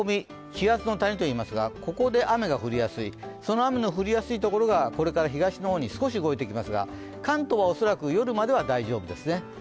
気圧の谷と言いますが、ここで雨が降りやすい、その雨の降りやすいところがこれから東の方に少し動いてきますが関東は恐らく夜までは大丈夫ですね。